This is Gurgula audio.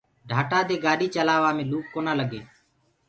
ڍآٽآ دي گآڏي چلآوآ مينٚ لوُڪ ڪونآ لگي۔